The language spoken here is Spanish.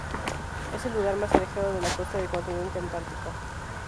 Es el lugar más alejado de la costa del continente antártico.